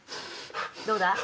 どうだ？